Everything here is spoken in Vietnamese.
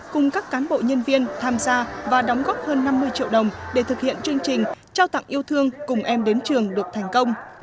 cùng các cán bộ nhân viên tham gia và đóng góp hơn năm mươi triệu đồng để thực hiện chương trình trao tặng yêu thương cùng em đến trường được thành công